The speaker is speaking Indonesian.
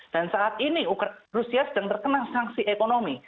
dan saat ini rusia sedang terkena sanksi ekonomi